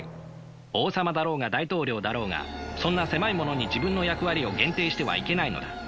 王様だろうが大統領だろうがそんな狭いものに自分の役割を限定してはいけないのだ。